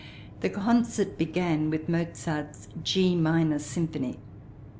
The concert began with Mozart's G Minor Symphony.